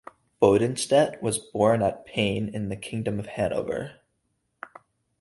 Bodenstedt was born at Peine, in the Kingdom of Hanover.